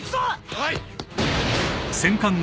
はい。